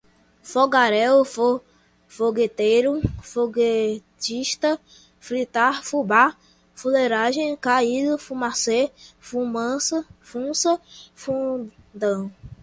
fogaréu, fogueteiro, foguetista, fritar, fubá, fuleragem, caído, fumacê, funça, fundão